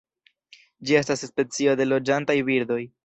Ĝi estas specio de loĝantaj birdoj.